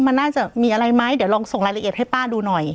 มันน่าจะมีอะไรไหมเดี๋ยวลองส่งรายละเอียดให้ป้าดูหน่อย